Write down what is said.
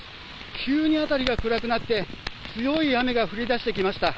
急に辺りが暗くなって強い雨が降りだしてきました。